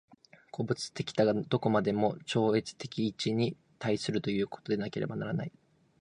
個物的多が何処までも超越的一に対するということでなければならない。